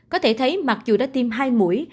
có thể thấy mặc dù đã tiêm hai mũi